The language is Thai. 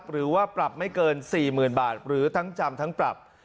หรือว่าปรับไม่เกิน๔๐๐๐บาทหรือทั้งจำทั้งปรับ